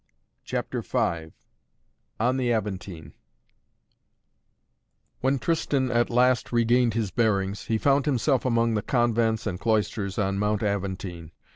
CHAPTER V ON THE AVENTINE When Tristan at last regained his bearings, he found himself among the convents and cloisters on Mount Aventine.